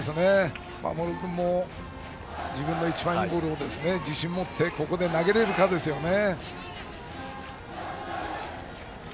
茂呂君も自分の一番いいボールを自信を持ってここで投げれるかですね。